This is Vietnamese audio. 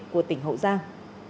của tỉnh hậu giang